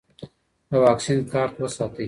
د واکسین کارت وساتئ.